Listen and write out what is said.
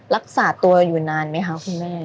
รักษาตัวอยู่นานไหมคะคุณแม่